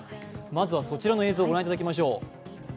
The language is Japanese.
まずはそちらの映像をご覧いただきましょう。